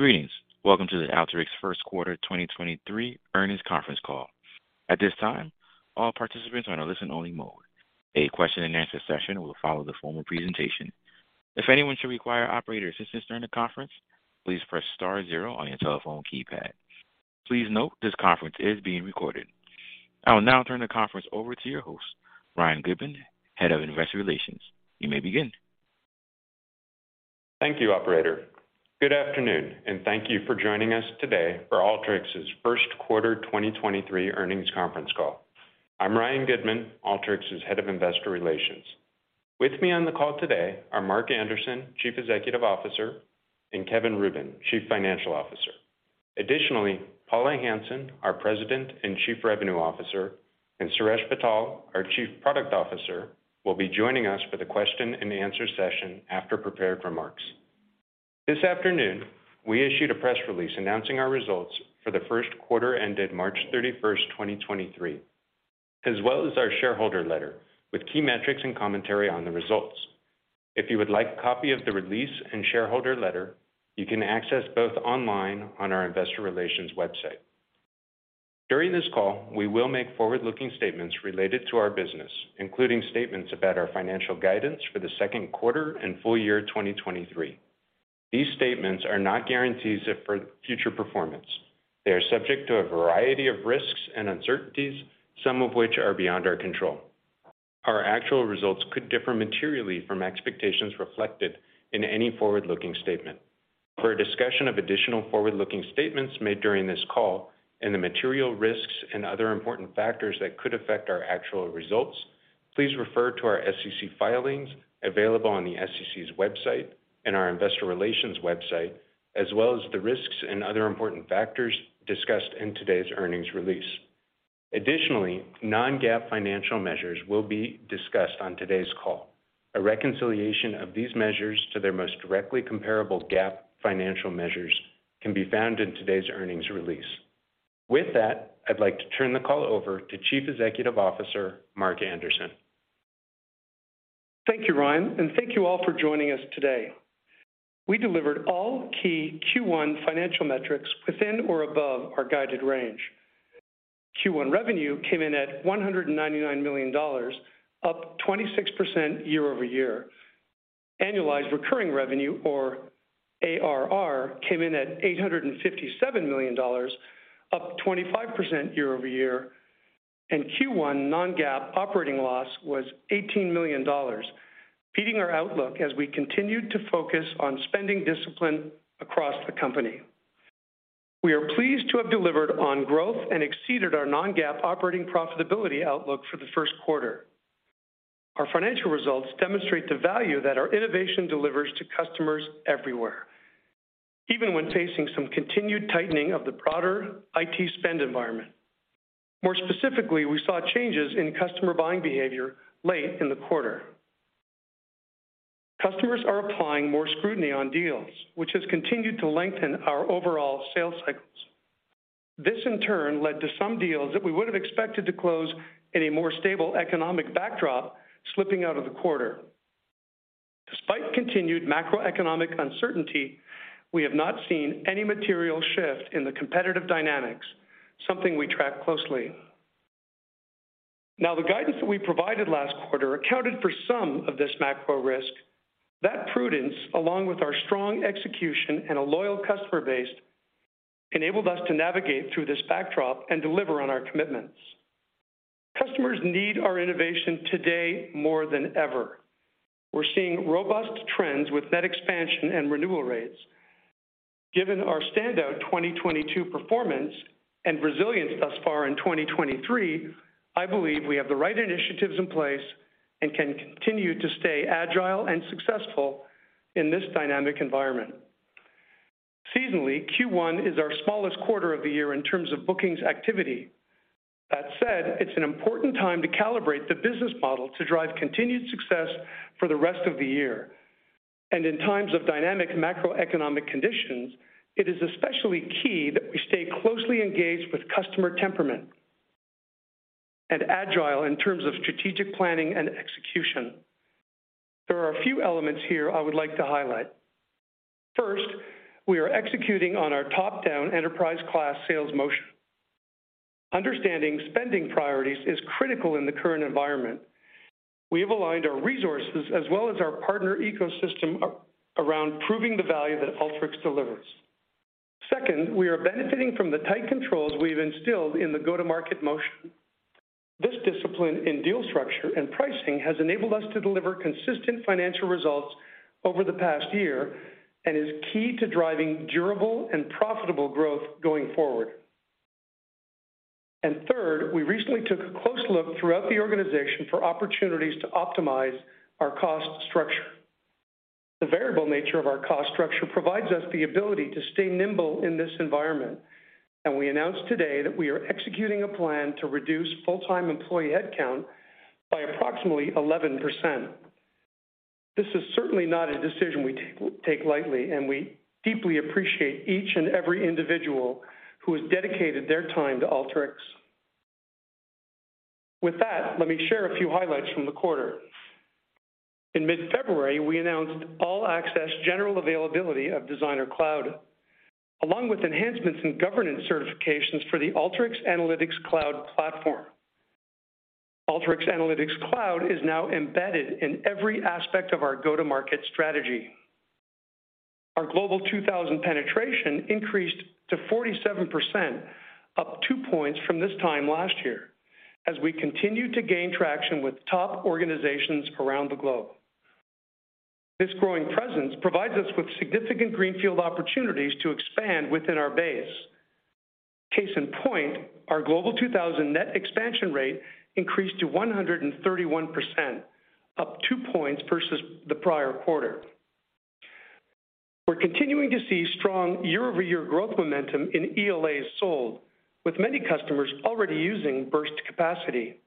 Greetings. Welcome to the Alteryx First Quarter 2023 Earnings Conference Call. At this time, all participants are in a listen-only mode. A question-and-answer session will follow the formal presentation. If anyone should require operator assistance during the conference, please press star zero on your telephone keypad. Please note this conference is being recorded. I will now turn the conference over to your host, Ryan Goodman, Head of Investor Relations. You may begin. Thank you, operator. Good afternoon, and thank you for joining us today for Alteryx's first quarter 2023 earnings conference call. I'm Ryan Goodman, Alteryx's Head of Investor Relations. With me on the call today are Mark Anderson, Chief Executive Officer, and Kevin Rubin, Chief Financial Officer. Additionally, Paula Hansen, our President and Chief Revenue Officer, and Suresh Vittal, our Chief Product Officer, will be joining us for the question and answer session after prepared remarks. This afternoon, we issued a press release announcing our results for the first quarter ended March 31, 2023, as well as our shareholder letter with key metrics and commentary on the results. If you would like a copy of the release and shareholder letter, you can access both online on our investor relations website. During this call, we will make forward-looking statements related to our business, including statements about our financial guidance for the second quarter and full year 2023. These statements are not guarantees for future performance. They are subject to a variety of risks and uncertainties, some of which are beyond our control. Our actual results could differ materially from expectations reflected in any forward-looking statement. For a discussion of additional forward-looking statements made during this call and the material risks and other important factors that could affect our actual results, please refer to our SEC filings available on the SEC's website and our investor relations website, as well as the risks and other important factors discussed in today's earnings release. Additionally, non-GAAP financial measures will be discussed on today's call. A reconciliation of these measures to their most directly comparable GAAP financial measures can be found in today's earnings release. With that, I'd like to turn the call over to Chief Executive Officer, Mark Anderson. Thank you, Ryan. Thank you all for joining us today. We delivered all key Q1 financial metrics within or above our guided range. Q1 revenue came in at $199 million, up 26% year-over-year. Annualized recurring revenue, or ARR, came in at $857 million, up 25% year-over-year. Q1 non-GAAP operating loss was $18 million, beating our outlook as we continued to focus on spending discipline across the company. We are pleased to have delivered on growth and exceeded our non-GAAP operating profitability outlook for the first quarter. Our financial results demonstrate the value that our innovation delivers to customers everywhere, even when facing some continued tightening of the broader IT spend environment. More specifically, we saw changes in customer buying behavior late in the quarter. Customers are applying more scrutiny on deals, which has continued to lengthen our overall sales cycles. This, in turn, led to some deals that we would have expected to close in a more stable economic backdrop slipping out of the quarter. Despite continued macroeconomic uncertainty, we have not seen any material shift in the competitive dynamics, something we track closely. The guidance that we provided last quarter accounted for some of this macro risk. That prudence, along with our strong execution and a loyal customer base, enabled us to navigate through this backdrop and deliver on our commitments. Customers need our innovation today more than ever. We're seeing robust trends with net expansion and renewal rates. Given our standout 2022 performance and resilience thus far in 2023, I believe we have the right initiatives in place and can continue to stay agile and successful in this dynamic environment. Seasonally, Q1 is our smallest quarter of the year in terms of bookings activity. That said, it's an important time to calibrate the business model to drive continued success for the rest of the year. In times of dynamic macroeconomic conditions, it is especially key that we stay closely engaged with customer temperament and agile in terms of strategic planning and execution. There are a few elements here I would like to highlight. First, we are executing on our top-down enterprise-class sales motion. Understanding spending priorities is critical in the current environment. We have aligned our resources as well as our partner ecosystem around proving the value that Alteryx delivers. Second, we are benefiting from the tight controls we've instilled in the go-to-market motion. This discipline in deal structure and pricing has enabled us to deliver consistent financial results over the past year and is key to driving durable and profitable growth going forward. Third, we recently took a close look throughout the organization for opportunities to optimize our cost structure. The variable nature of our cost structure provides us the ability to stay nimble in this environment, and we announced today that we are executing a plan to reduce full-time employee headcount by approximately 11%. This is certainly not a decision we take lightly, and we deeply appreciate each and every individual who has dedicated their time to Alteryx. With that, let me share a few highlights from the quarter. In mid-February, we announced all access general availability of Designer Cloud, along with enhancements in governance certifications for the Alteryx Analytics Cloud platform. Alteryx Analytics Cloud is now embedded in every aspect of our go-to-market strategy. Our Global 2000 penetration increased to 47%, up 2 points from this time last year, as we continue to gain traction with top organizations around the globe. This growing presence provides us with significant greenfield opportunities to expand within our base. Case in point, our Global 2000 net expansion rate increased to 131%, up 2 points versus the prior quarter. We're continuing to see strong year-over-year growth momentum in ELAs sold, with many customers already using burst capacity.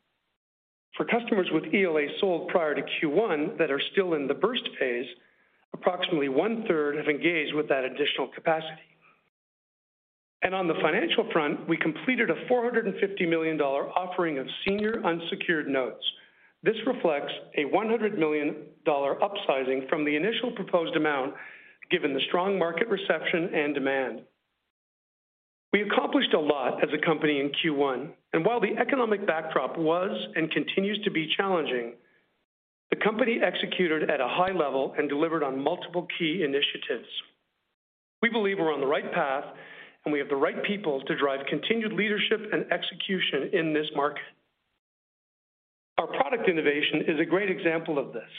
For customers with ELAs sold prior to Q1 that are still in the burst phase, approximately one-third have engaged with that additional capacity. On the financial front, we completed a $450 million offering of senior unsecured notes. This reflects a $100 million upsizing from the initial proposed amount given the strong market reception and demand. We accomplished a lot as a company in Q1. While the economic backdrop was and continues to be challenging, the company executed at a high level and delivered on multiple key initiatives. We believe we're on the right path. We have the right people to drive continued leadership and execution in this market. Our product innovation is a great example of this.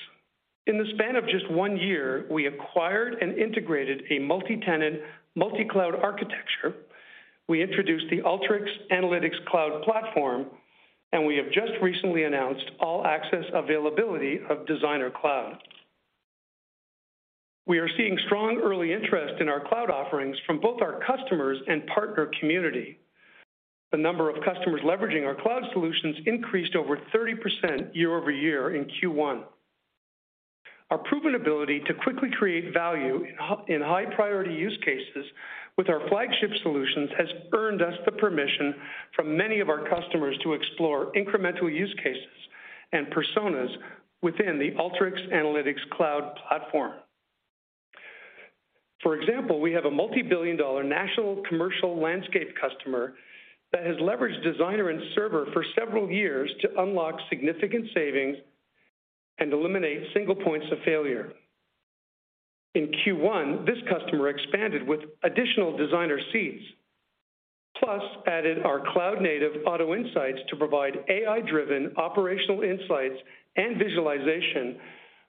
In the span of just 1 year, we acquired and integrated a multi-tenant, multi-cloud architecture. We introduced the Alteryx Analytics Cloud platform. We have just recently announced all access availability of Designer Cloud. We are seeing strong early interest in our cloud offerings from both our customers and partner community. The number of customers leveraging our cloud solutions increased over 30% year-over-year in Q1. Our proven ability to quickly create value in high priority use cases with our flagship solutions has earned us the permission from many of our customers to explore incremental use cases and personas within the Alteryx Analytics Cloud platform. For example, we have a multi-billion dollar national commercial landscape customer that has leveraged Designer and Server for several years to unlock significant savings and eliminate single points of failure. In Q1, this customer expanded with additional Designer seats, plus added our cloud-native Auto Insights to provide AI-driven operational insights and visualization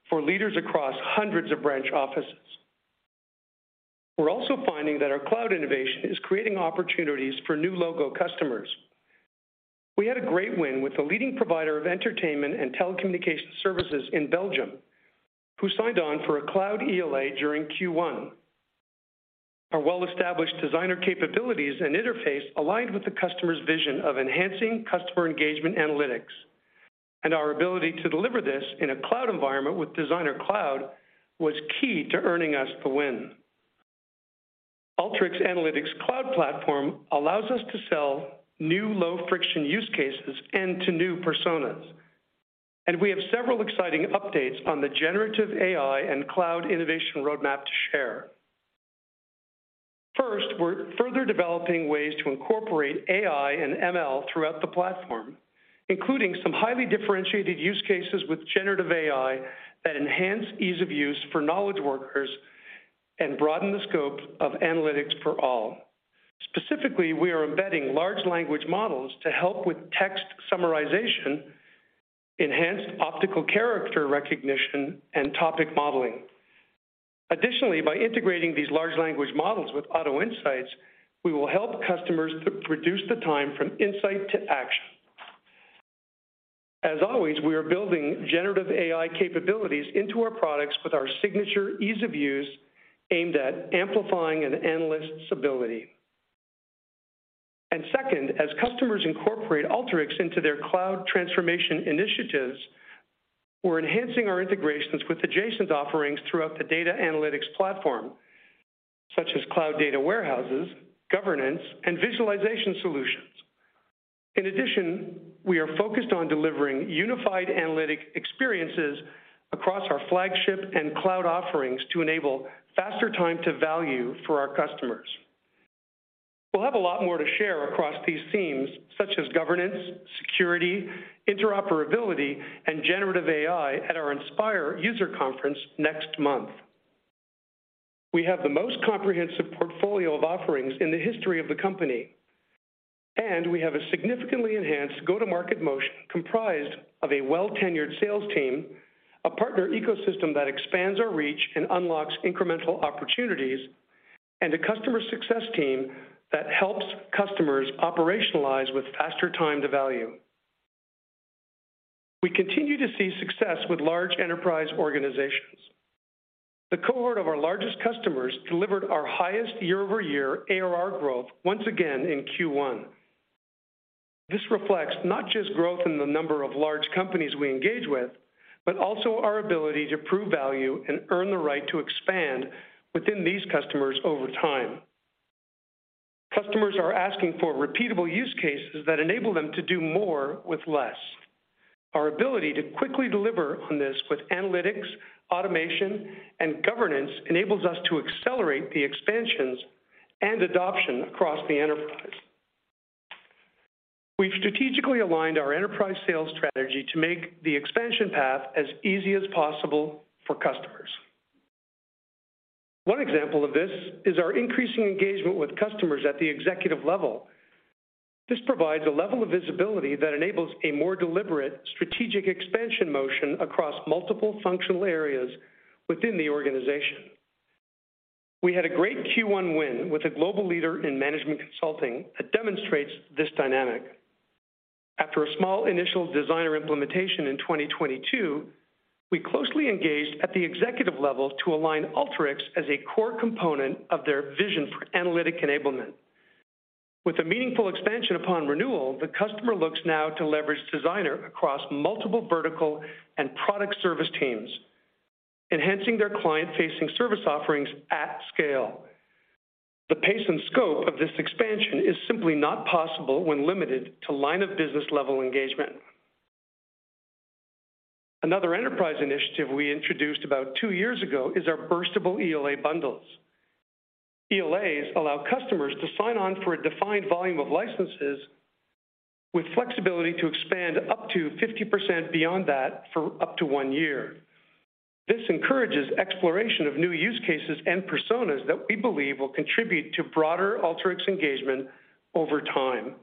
for leaders across hundreds of branch offices. We're also finding that our cloud innovation is creating opportunities for new logo customers. We had a great win with the leading provider of entertainment and telecommunications services in Belgium, who signed on for a cloud ELA during Q1. Our ability to deliver this in a cloud environment with Designer Cloud was key to earning us the win. Alteryx Analytics Cloud platform allows us to sell new low-friction use cases and to new personas, and we have several exciting updates on the generative AI and cloud innovation roadmap to share. First, we're further developing ways to incorporate AI and ML throughout the platform, including some highly differentiated use cases with generative AI that enhance ease of use for knowledge workers and broaden the scope of analytics for all. Specifically, we are embedding large language models to help with text summarization, enhanced optical character recognition, and topic modeling. Additionally, by integrating these large language models with Auto Insights, we will help customers to reduce the time from insight to action. As always, we are building generative AI capabilities into our products with our signature ease of use aimed at amplifying an analyst's ability. Second, as customers incorporate Alteryx into their cloud transformation initiatives, we're enhancing our integrations with adjacent offerings throughout the data analytics platform, such as cloud data warehouses, governance, and visualization solutions. We are focused on delivering unified analytic experiences across our flagship and cloud offerings to enable faster time to value for our customers. We'll have a lot more to share across these themes, such as governance, security, interoperability, and generative AI at our Inspire user conference next month. We have the most comprehensive portfolio of offerings in the history of the company, and we have a significantly enhanced go-to-market motion comprised of a well-tenured sales team, a partner ecosystem that expands our reach and unlocks incremental opportunities, and a customer success team that helps customers operationalize with faster time to value. We continue to see success with large enterprise organizations. The cohort of our largest customers delivered our highest year-over-year ARR growth once again in Q1. This reflects not just growth in the number of large companies we engage with, but also our ability to prove value and earn the right to expand within these customers over time. Customers are asking for repeatable use cases that enable them to do more with less. Our ability to quickly deliver on this with analytics, automation, and governance enables us to accelerate the expansions and adoption across the enterprise. We've strategically aligned our enterprise sales strategy to make the expansion path as easy as possible for customers. One example of this is our increasing engagement with customers at the executive level. This provides a level of visibility that enables a more deliberate strategic expansion motion across multiple functional areas within the organization. We had a great Q1 win with a global leader in management consulting that demonstrates this dynamic. After a small initial Designer implementation in 2022, we closely engaged at the executive level to align Alteryx as a core component of their vision for analytic enablement. With a meaningful expansion upon renewal, the customer looks now to leverage Designer across multiple vertical and product service teams, enhancing their client-facing service offerings at scale. The pace and scope of this expansion is simply not possible when limited to line-of-business level engagement. Another enterprise initiative we introduced about 2 years ago is our burstable ELA bundles. ELAs allow customers to sign on for a defined volume of licenses with flexibility to expand up to 50% beyond that for up to 1 year. This encourages exploration of new use cases and personas that we believe will contribute to broader Alteryx engagement over time.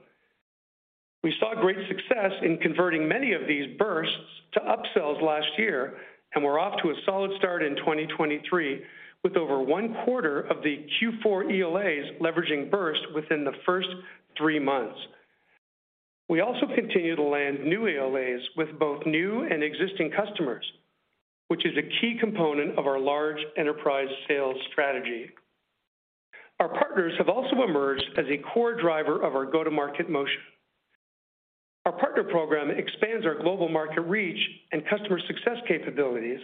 We saw great success in converting many of these bursts to upsells last year, and we're off to a solid start in 2023 with over 1/4 of the Q4 ELAs leveraging burst within the first 3 months. We also continue to land new ELAs with both new and existing customers, which is a key component of our large enterprise sales strategy. Our partners have also emerged as a core driver of our go-to-market motion. Our partner program expands our global market reach and customer success capabilities.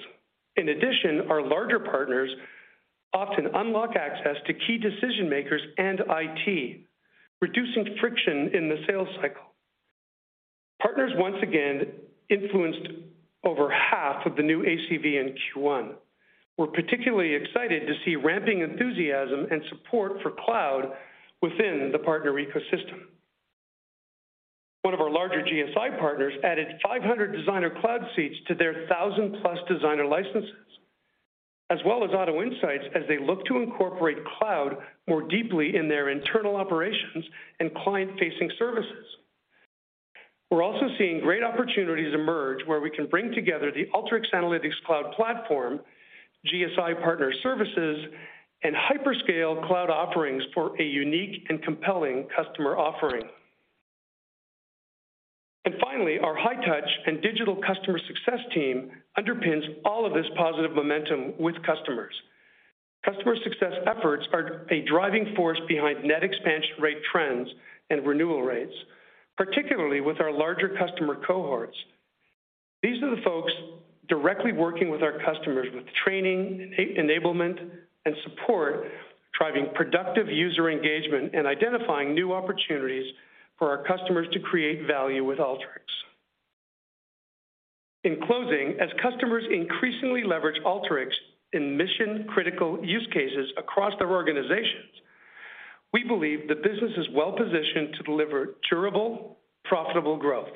In addition, our larger partners often unlock access to key decision-makers and IT, reducing friction in the sales cycle. Partners once again influenced over half of the new ACV in Q1. We're particularly excited to see ramping enthusiasm and support for cloud within the partner ecosystem. One of our larger GSI partners added 500 Designer Cloud seats to their 1,000-plus Designer licenses, as well as Auto Insights as they look to incorporate cloud more deeply in their internal operations and client-facing services. We're also seeing great opportunities emerge where we can bring together the Alteryx Analytics Cloud platform, GSI partner services, and hyperscale cloud offerings for a unique and compelling customer offering. Finally, our high-touch and digital customer success team underpins all of this positive momentum with customers. Customer success efforts are a driving force behind net expansion rate trends and renewal rates, particularly with our larger customer cohorts. These are the folks directly working with our customers with training, enablement, and support, driving productive user engagement and identifying new opportunities for our customers to create value with Alteryx. In closing, as customers increasingly leverage Alteryx in mission-critical use cases across their organizations, we believe the business is well-positioned to deliver durable, profitable growth.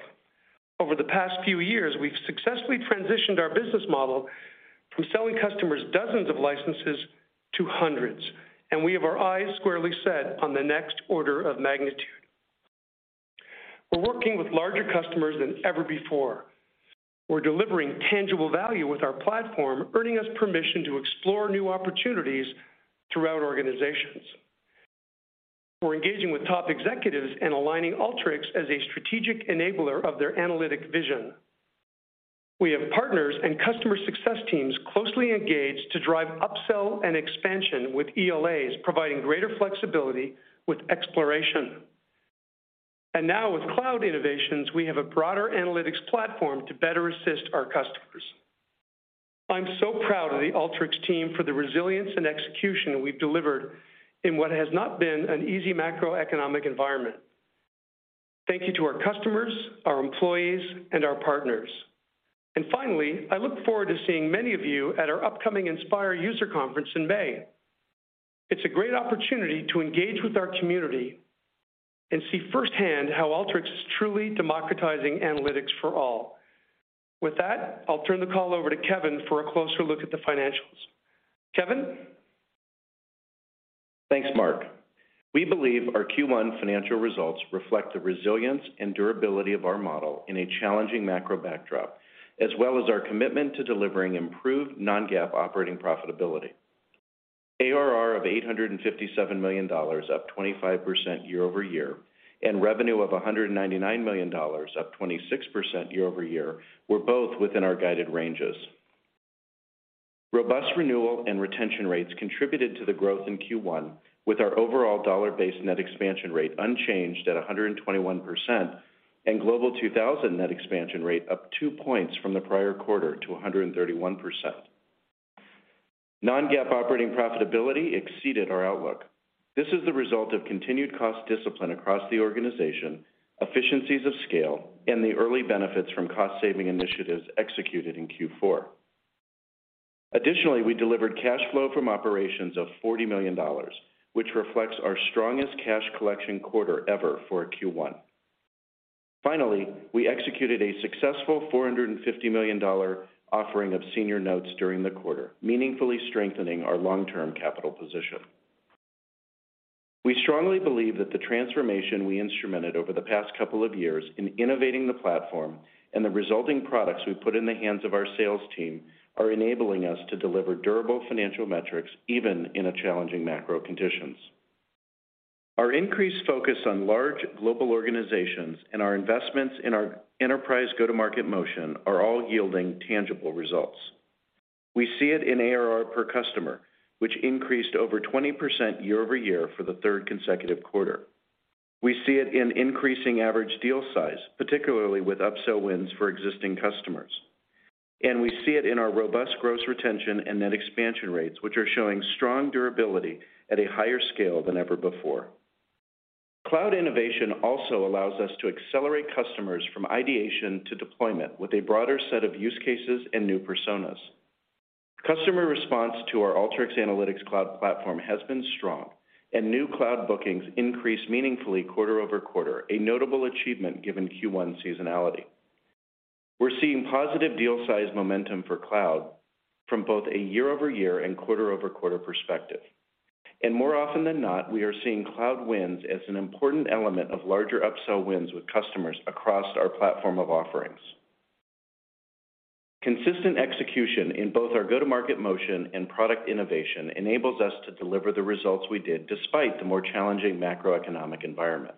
Over the past few years, we've successfully transitioned our business model from selling customers dozens of licenses to hundreds, and we have our eyes squarely set on the next order of magnitude. We're working with larger customers than ever before. We're delivering tangible value with our platform, earning us permission to explore new opportunities throughout organizations. We're engaging with top executives and aligning Alteryx as a strategic enabler of their analytic vision. We have partners and customer success teams closely engaged to drive upsell and expansion with ELAs, providing greater flexibility with exploration. Now with cloud innovations, we have a broader analytics platform to better assist our customers. I'm so proud of the Alteryx team for the resilience and execution we've delivered in what has not been an easy macroeconomic environment. Thank you to our customers, our employees, and our partners. Finally, I look forward to seeing many of you at our upcoming Inspire User Conference in May. It's a great opportunity to engage with our community and see firsthand how Alteryx is truly democratizing analytics for all. With that, I'll turn the call over to Kevin for a closer look at the financials. Kevin? Thanks, Mark. We believe our Q1 financial results reflect the resilience and durability of our model in a challenging macro backdrop, as well as our commitment to delivering improved non-GAAP operating profitability. ARR of $857 million, up 25% year-over-year, and revenue of $199 million, up 26% year-over-year, were both within our guided ranges. Robust renewal and retention rates contributed to the growth in Q1, with our overall dollar-based net expansion rate unchanged at 121% and Global 2000 net expansion rate up 2 points from the prior quarter to 131%. Non-GAAP operating profitability exceeded our outlook. This is the result of continued cost discipline across the organization, efficiencies of scale, and the early benefits from cost-saving initiatives executed in Q4. Additionally, we delivered cash flow from operations of $40 million, which reflects our strongest cash collection quarter ever for a Q1. Finally, we executed a successful $450 million offering of senior notes during the quarter, meaningfully strengthening our long-term capital position. We strongly believe that the transformation we instrumented over the past couple of years in innovating the platform and the resulting products we put in the hands of our sales team are enabling us to deliver durable financial metrics, even in a challenging macro conditions. Our increased focus on large global organizations and our investments in our enterprise go-to-market motion are all yielding tangible results. We see it in ARR per customer, which increased over 20% year-over-year for the third consecutive quarter. We see it in increasing average deal size, particularly with upsell wins for existing customers. We see it in our robust gross retention and net expansion rates, which are showing strong durability at a higher scale than ever before. Cloud innovation also allows us to accelerate customers from ideation to deployment with a broader set of use cases and new personas. Customer response to our Alteryx Analytics Cloud platform has been strong, and new cloud bookings increased meaningfully quarter-over-quarter, a notable achievement given Q1 seasonality. We're seeing positive deal size momentum for cloud from both a year-over-year and quarter-over-quarter perspective. More often than not, we are seeing cloud wins as an important element of larger upsell wins with customers across our platform of offerings. Consistent execution in both our go-to-market motion and product innovation enables us to deliver the results we did despite the more challenging macroeconomic environment.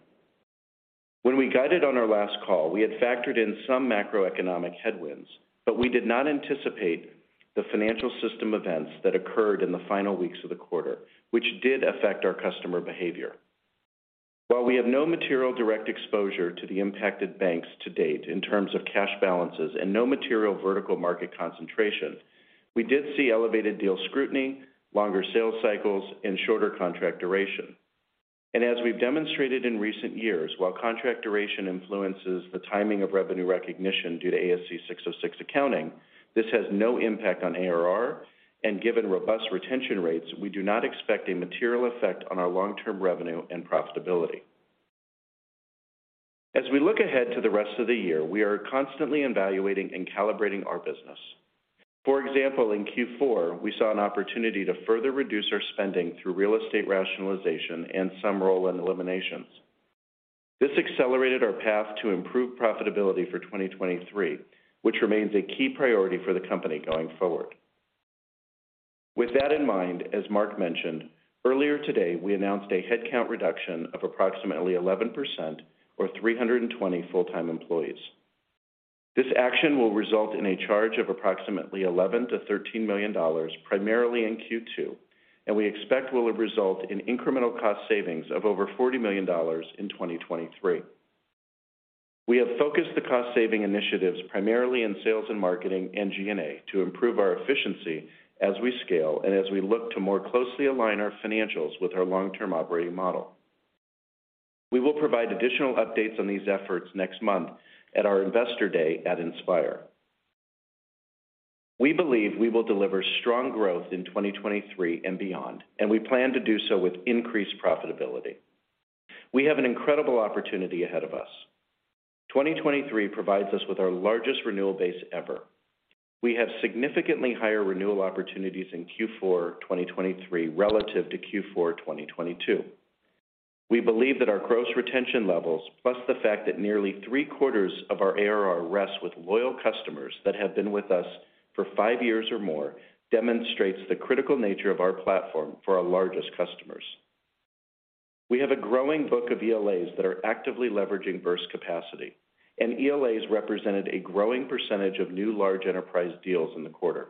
When we guided on our last call, we had factored in some macroeconomic headwinds, but we did not anticipate the financial system events that occurred in the final weeks of the quarter, which did affect our customer behavior. While we have no material direct exposure to the impacted banks to date in terms of cash balances and no material vertical market concentration, we did see elevated deal scrutiny, longer sales cycles, and shorter contract duration. As we've demonstrated in recent years, while contract duration influences the timing of revenue recognition due to ASC-606 accounting, this has no impact on ARR. Given robust retention rates, we do not expect a material effect on our long-term revenue and profitability. As we look ahead to the rest of the year, we are constantly evaluating and calibrating our business. For example, in Q4, we saw an opportunity to further reduce our spending through real estate rationalization and some role in eliminations. This accelerated our path to improve profitability for 2023, which remains a key priority for the company going forward. With that in mind, as Mark mentioned, earlier today we announced a headcount reduction of approximately 11% or 320 full-time employees. This action will result in a charge of approximately $11 million-$13 million, primarily in Q2, and we expect will result in incremental cost savings of over $40 million in 2023. We have focused the cost-saving initiatives primarily in sales and marketing and G&A to improve our efficiency as we scale and as we look to more closely align our financials with our long-term operating model. We will provide additional updates on these efforts next month at our Investor Day at Inspire. We believe we will deliver strong growth in 2023 and beyond, and we plan to do so with increased profitability. We have an incredible opportunity ahead of us. 2023 provides us with our largest renewal base ever. We have significantly higher renewal opportunities in Q4 2023 relative to Q4 2022. We believe that our gross retention levels, plus the fact that nearly three-quarters of our ARR rests with loyal customers that have been with us for five years or more, demonstrates the critical nature of our platform for our largest customers. We have a growing book of ELAs that are actively leveraging burst capacity, and ELAs represented a growing percentage of new large enterprise deals in the quarter.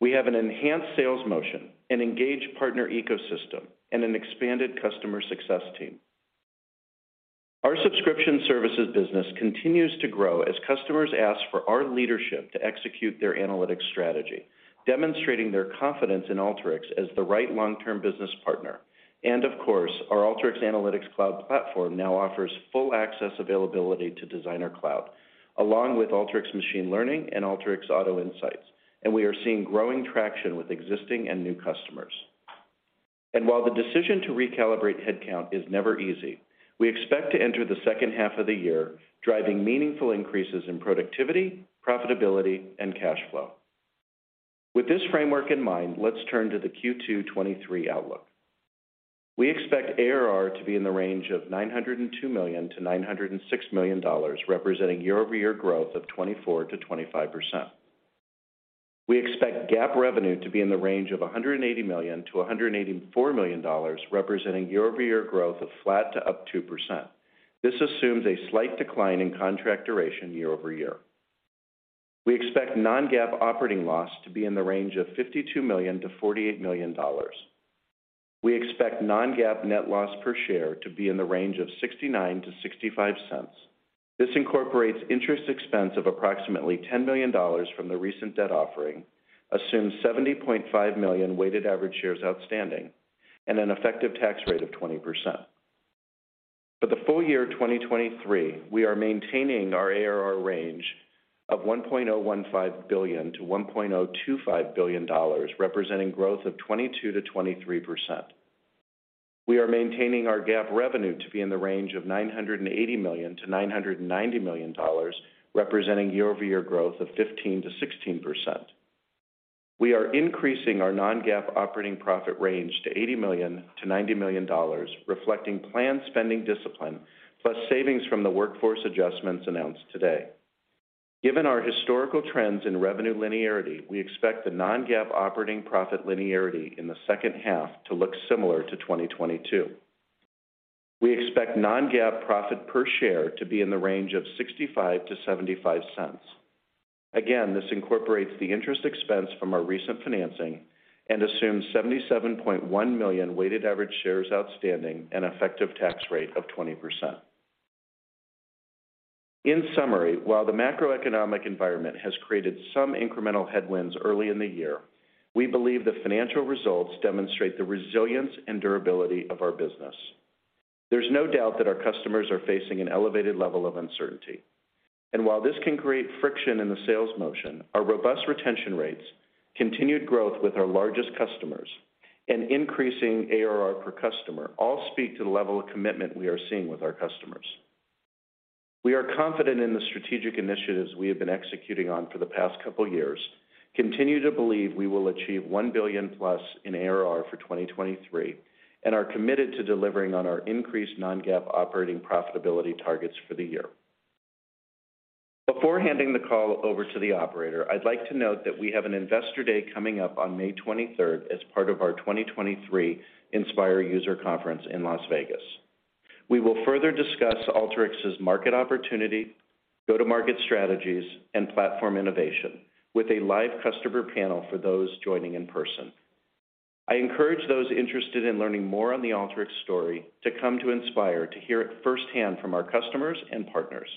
We have an enhanced sales motion, an engaged partner ecosystem, and an expanded customer success team. Our subscription services business continues to grow as customers ask for our leadership to execute their analytics strategy, demonstrating their confidence in Alteryx as the right long-term business partner. Of course, our Alteryx Analytics Cloud platform now offers full access availability to Designer Cloud, along with Alteryx Machine Learning and Alteryx Auto Insights, and we are seeing growing traction with existing and new customers. While the decision to recalibrate headcount is never easy, we expect to enter the second half of the year driving meaningful increases in productivity, profitability, and cash flow. With this framework in mind, let's turn to the Q2 2023 outlook. We expect ARR to be in the range of $902 million-$906 million, representing year-over-year growth of 24%-25%. We expect GAAP revenue to be in the range of $180 million-$184 million, representing year-over-year growth of flat to up 2%. This assumes a slight decline in contract duration year-over-year. We expect non-GAAP operating loss to be in the range of $52 million-$48 million. We expect non-GAAP net loss per share to be in the range of $0.69-$0.65. This incorporates interest expense of approximately $10 million from the recent debt offering, assumes 70.5 million weighted average shares outstanding, and an effective tax rate of 20%. For the full year 2023, we are maintaining our ARR range of $1.015 billion-$1.025 billion, representing growth of 22%-23%. We are maintaining our GAAP revenue to be in the range of $980 million-$990 million, representing year-over-year growth of 15%-16%. We are increasing our non-GAAP operating profit range to $80 million-$90 million, reflecting planned spending discipline plus savings from the workforce adjustments announced today. Given our historical trends in revenue linearity, we expect the non-GAAP operating profit linearity in the second half to look similar to 2022. We expect non-GAAP profit per share to be in the range of $0.65-$0.75. Again, this incorporates the interest expense from our recent financing and assumes $77.1 million weighted average shares outstanding and effective tax rate of 20%. In summary, while the macroeconomic environment has created some incremental headwinds early in the year, we believe the financial results demonstrate the resilience and durability of our business. There's no doubt that our customers are facing an elevated level of uncertainty. While this can create friction in the sales motion, our robust retention rates, continued growth with our largest customers, and increasing ARR per customer all speak to the level of commitment we are seeing with our customers. We are confident in the strategic initiatives we have been executing on for the past couple years, continue to believe we will achieve $1 billion-plus in ARR for 2023, and are committed to delivering on our increased non-GAAP operating profitability targets for the year. Before handing the call over to the operator, I'd like to note that we have an Investor Day coming up on May 23rd as part of our 2023 Inspire User Conference in Las Vegas. We will further discuss Alteryx's market opportunity, go-to-market strategies, and platform innovation with a live customer panel for those joining in person. I encourage those interested in learning more on the Alteryx story to come to Inspire to hear it firsthand from our customers and partners.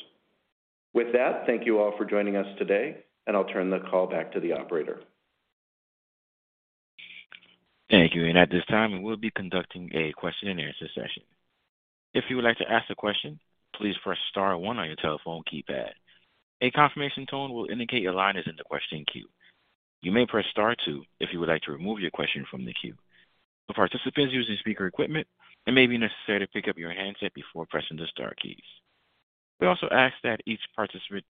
With that, thank you all for joining us today, and I'll turn the call back to the operator. Thank you. At this time, we'll be conducting a question and answer session. If you would like to ask a question, please press star one on your telephone keypad. A confirmation tone will indicate your line is in the question queue. You may press star two if you would like to remove your question from the queue. For participants using speaker equipment, it may be necessary to pick up your handset before pressing the star keys. We also ask that each participant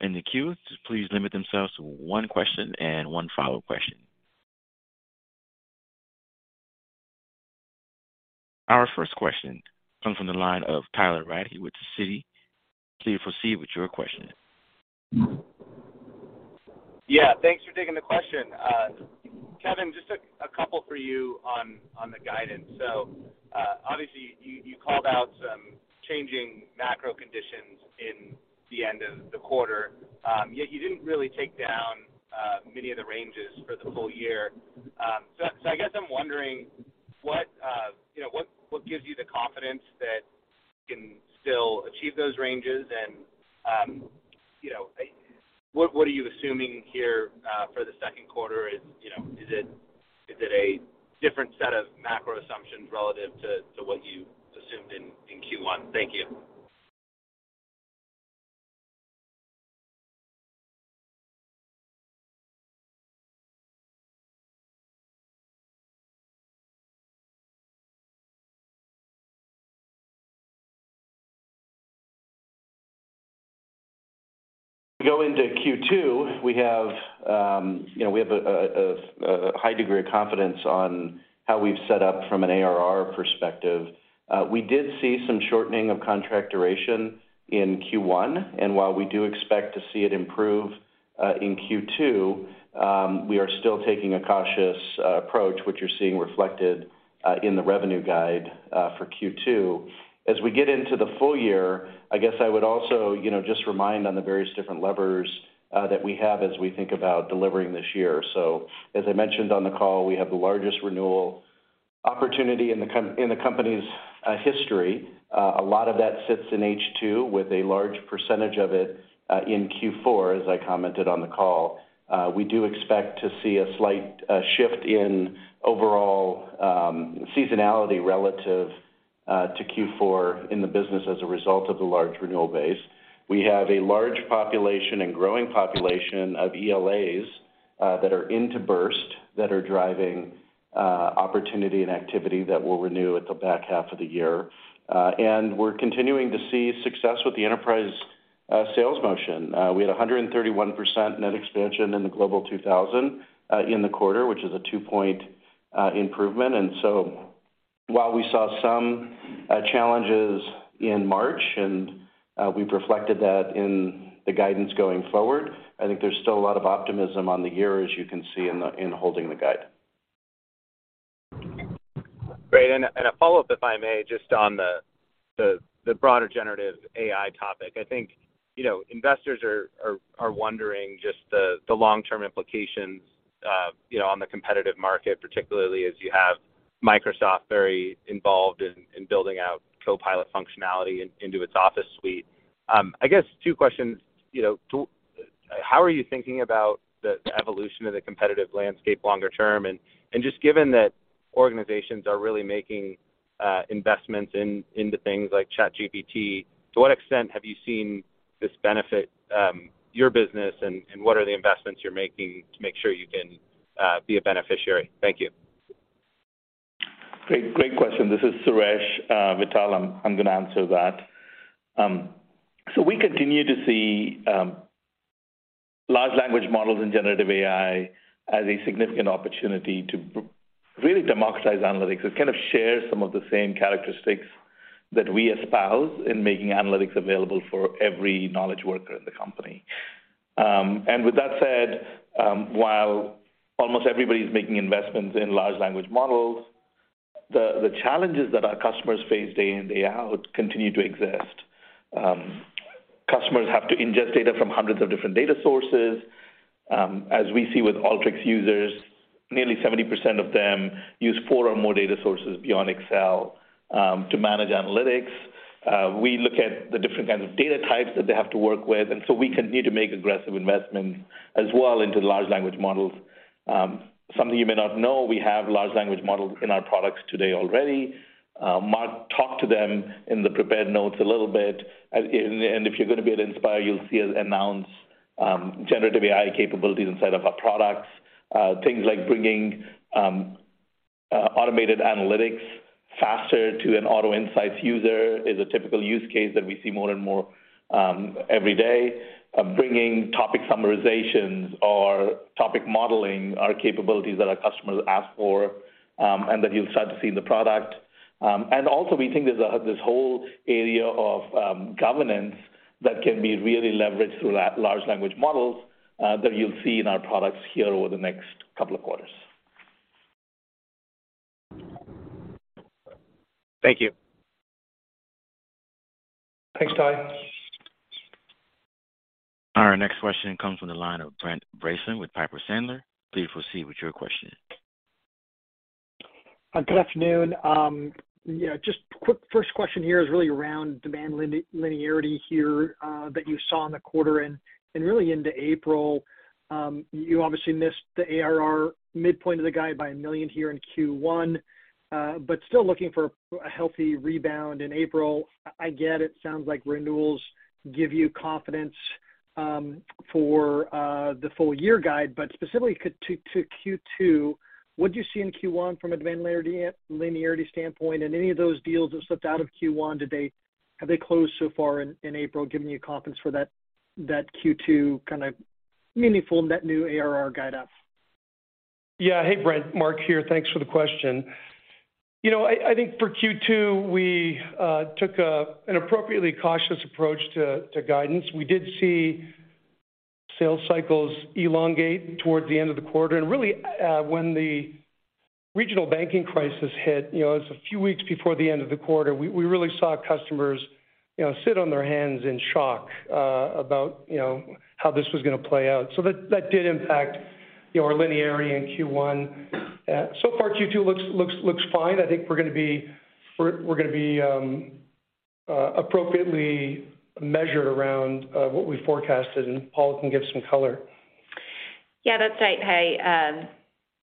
in the queue to please limit themselves to one question and one follow-up question. Our first question comes from the line of Tyler Radke with Citi. Please proceed with your question. Yeah, thanks for taking the question. Kevin, just a couple for you on the guidance. Obviously, you called out some changing macro conditions in the end of the quarter, yet you didn't really take down many of the ranges for the full year. I guess I'm wondering what, you know, what gives you the confidence that you can still achieve those ranges? And, you know, what are you assuming here for the second quarter? Is, you know, is it a different set of macro assumptions relative to what you assumed in Q1? Thank you. Go into Q2, we have, you know, we have a high degree of confidence on how we've set up from an ARR perspective. We did see some shortening of contract duration in Q1, and while we do expect to see it improve in Q2, we are still taking a cautious approach, which you're seeing reflected in the revenue guide for Q2. As we get into the full year, I guess I would also, you know, just remind on the various different levers that we have as we think about delivering this year. As I mentioned on the call, we have the largest renewal opportunity in the company's history. A lot of that sits in H2, with a large percentage of it in Q4, as I commented on the call. We do expect to see a slight shift in overall seasonality relative to Q4 in the business as a result of the large renewal base. We have a large population and growing population of ELAs that are into burst that are driving opportunity and activity that will renew at the back half of the year. We're continuing to see success with the enterprise sales motion. We had 131% net expansion in the Global 2000 in the quarter, which is a 2-point improvement. While we saw some challenges in March and we've reflected that in the guidance going forward, I think there's still a lot of optimism on the year, as you can see in the, in holding the guide. Great. A follow-up, if I may, just on the The broader generative AI topic, I think, you know, investors are wondering just the long-term implications, you know, on the competitive market, particularly as you have Microsoft very involved in building out Copilot functionality into its Office suite. I guess two questions. You know, How are you thinking about the evolution of the competitive landscape longer term? Just given that organizations are really making investments into things like ChatGPT, to what extent have you seen this benefit your business? What are the investments you're making to make sure you can be a beneficiary? Thank you. Great, great question. This is Suresh Vittal. I'm gonna answer that. We continue to see large language models in generative AI as a significant opportunity to really democratize analytics. It kind of shares some of the same characteristics that we espouse in making analytics available for every knowledge worker in the company. With that said, while almost everybody's making investments in large language models, the challenges that our customers face day in, day out continue to exist. Customers have to ingest data from hundreds of different data sources. As we see with Alteryx users, nearly 70% of them use four or more data sources beyond Excel to manage analytics. We look at the different kinds of data types that they have to work with. We continue to make aggressive investments as well into large language models. Something you may not know, we have large language models in our products today already. Mark talked to them in the prepared notes a little bit. If you're gonna be at Inspire, you'll see us announce generative AI capabilities inside of our products. Things like bringing automated analytics faster to an Auto Insights user is a typical use case that we see more and more every day. Bringing topic summarizations or topic modeling are capabilities that our customers ask for, and that you'll start to see in the product. Also we think there's this whole area of governance that can be really leveraged through large language models that you'll see in our products here over the next couple of quarters. Thank you. Thanks, Ty. Our next question comes from the line of Brent Bracelin with Piper Sandler. Please proceed with your question. Uh, good afternoon. Um, yeah, just quick first question here is really around demand line-linearity here, uh, that you saw in the quarter and, and really into April. Um, you obviously missed the ARR midpoint of the guide by a million here in Q1, uh, but still looking for a, a healthy rebound in April. I get it sounds like renewals give you confidence, um, for, uh, the full year guide, but specifically c-to, to Q2, what'd you see in Q1 from a demand linear-linearity standpoint? And any of those deals that slipped out of Q1, did they-- have they closed so far in, in April, giving you confidence for that, that Q2 kind of meaningful net new ARR guide up? Yeah. Hey, Brent. Mark here. Thanks for the question. You know, I think for Q2, we took an appropriately cautious approach to guidance. We did see sales cycles elongate towards the end of the quarter. Really, when the regional banking crisis hit, you know, it was a few weeks before the end of the quarter. We really saw customers, you know, sit on their hands in shock, about, you know, how this was gonna play out. That did impact, you know, our linearity in Q1. So far Q2 looks fine. I think we're gonna be appropriately measured around what we forecasted, and Paula can give some color. Yeah, that's right. Hi,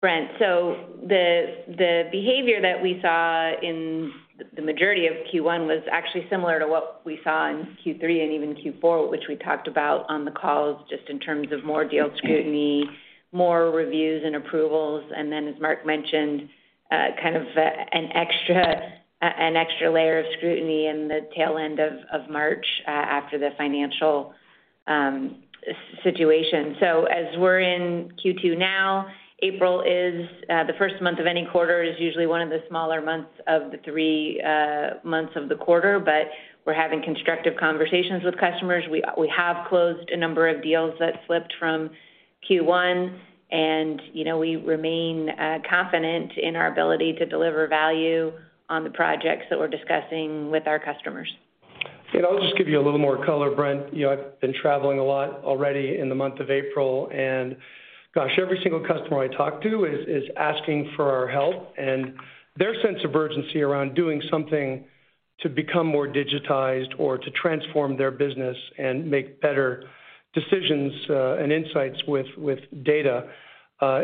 Brent. The behavior that we saw in the majority of Q1 was actually similar to what we saw in Q3 and even Q4, which we talked about on the calls, just in terms of more deal scrutiny, more reviews and approvals, and then as Mark mentioned, an extra layer of scrutiny in the tail end of March, after the financial situation. As we're in Q2 now, April is the first month of any quarter is usually one of the smaller months of the three months of the quarter. We're having constructive conversations with customers. We have closed a number of deals that slipped from Q1, and, you know, we remain confident in our ability to deliver value on the projects that we're discussing with our customers. I'll just give you a little more color, Brent. You know, I've been traveling a lot already in the month of April, and gosh, every single customer I talk to is asking for our help, and their sense of urgency around doing something to become more digitized or to transform their business and make better decisions and insights with data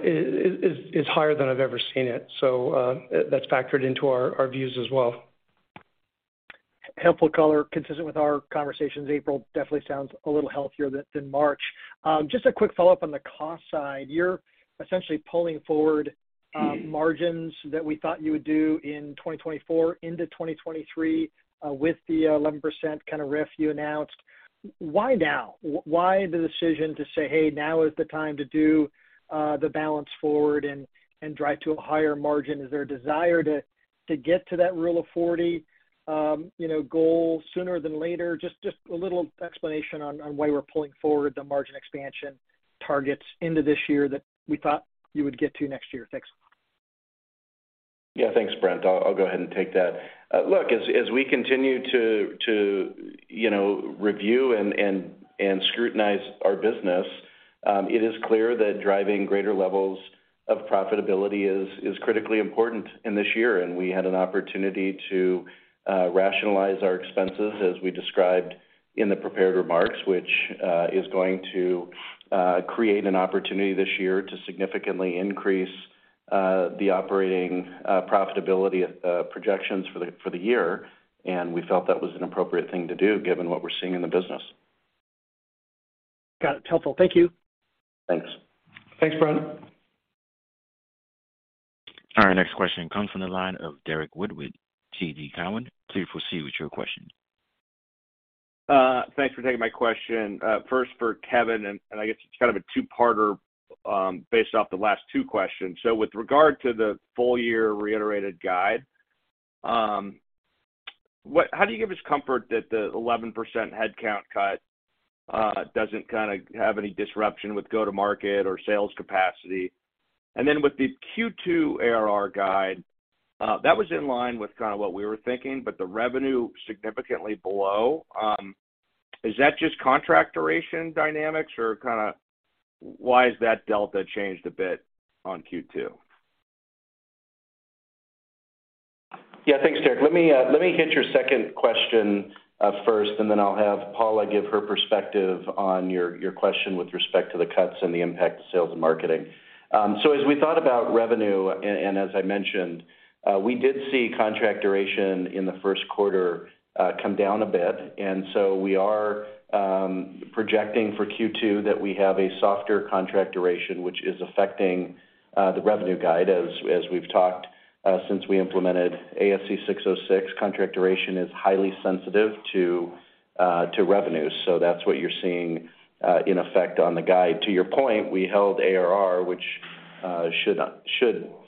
is higher than I've ever seen it. That's factored into our views as well. Helpful color. Consistent with our conversations, April definitely sounds a little healthier than March. Just a quick follow-up on the cost side. You're essentially pulling forward margins that we thought you would do in 2024 into 2023 with the 11% kind of RIF you announced. Why now? Why the decision to say, "Hey, now is the time to do the balance forward and drive to a higher margin"? Is there a desire to get to that Rule of 40, you know, goal sooner than later? Just a little explanation on why we're pulling forward the margin expansion targets into this year that we thought you would get to next year. Thanks. Yeah, thanks, Brent. I'll go ahead and take that. Look, as we continue to, you know, review and scrutinize our business, it is clear that driving greater levels of profitability is critically important in this year. We had an opportunity to rationalize our expenses as we described in the prepared remarks, which is going to create an opportunity this year to significantly increase the operating profitability projections for the year. We felt that was an appropriate thing to do given what we're seeing in the business. Got it. Helpful. Thank you. Thanks. Thanks, Brent. All right, next question comes from the line of Derrick Wood with TD Cowen. Please proceed with your question. Thanks for taking my question. First for Kevin, and I guess it's kind of a two-parter, based off the last two questions. With regard to the full year reiterated guide, how do you give us comfort that the 11% headcount cut doesn't kinda have any disruption with go-to-market or sales capacity? Then with the Q2 ARR guide, that was in line with kinda what we were thinking, but the revenue significantly below. Is that just contract duration dynamics or kinda why is that delta changed a bit on Q2? Thanks, Derrick. Let me let me hit your second question first, and then I'll have Paula Hansen give her perspective on your question with respect to the cuts and the impact to sales and marketing. As we thought about revenue, and as I mentioned, we did see contract duration in the first quarter come down a bit. We are projecting for Q2 that we have a softer contract duration, which is affecting the revenue guide as we've talked since we implemented ASC 606. Contract duration is highly sensitive to revenue. That's what you're seeing in effect on the guide. To your point, we held ARR, which should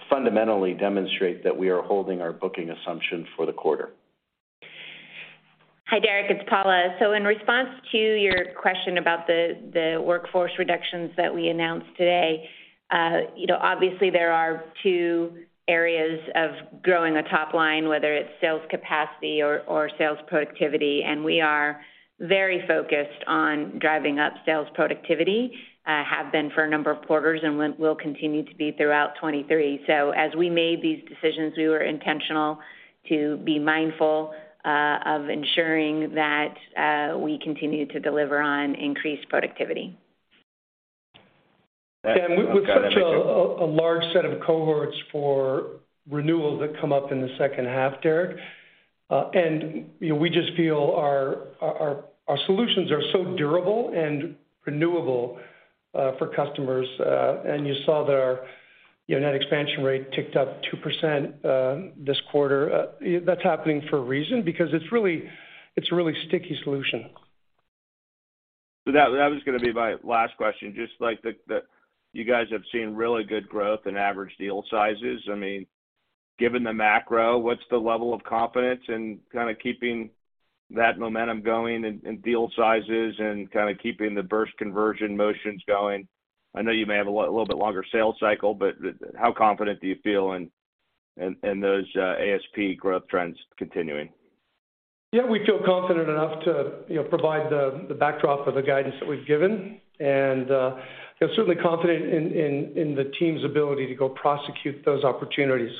fundamentally demonstrate that we are holding our booking assumption for the quarter. Hi, Derek, it's Paula. In response to your question about the workforce reductions that we announced today, you know, obviously there are two areas of growing the top line, whether it's sales capacity or sales productivity, and we are very focused on driving up sales productivity, have been for a number of quarters and will continue to be throughout 23. As we made these decisions, we were intentional to be mindful of ensuring that we continue to deliver on increased productivity. We've got a large set of cohorts for renewals that come up in the second half, Derek. you know, we just feel our solutions are so durable and renewable for customers. you know, net expansion rate ticked up 2%, this quarter. That's happening for a reason because it's a really sticky solution. That was going to be my last question. You guys have seen really good growth in average deal sizes. I mean, given the macro, what's the level of confidence in kind of keeping that momentum going in deal sizes and kind of keeping the burst conversion motions going? I know you may have a little bit longer sales cycle, but how confident do you feel in those ASP growth trends continuing? Yeah, we feel confident enough to, you know, provide the backdrop of the guidance that we've given, and feel certainly confident in the team's ability to go prosecute those opportunities.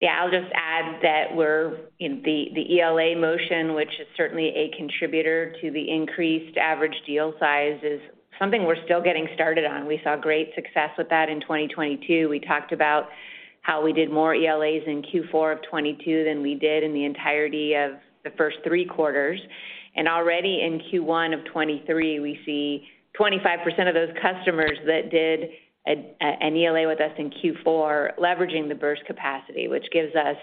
Yeah, I'll just add that we're in the ELA motion, which is certainly a contributor to the increased average deal size, is something we're still getting started on. We saw great success with that in 2022. We talked about how we did more ELAs in Q4 of 2022 than we did in the entirety of the first three quarters. Already in Q1 of 2023, we see 25% of those customers that did an ELA with us in Q4 leveraging the burst capacity, which gives us,